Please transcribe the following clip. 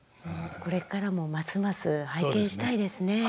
これからもますます拝見したいですね。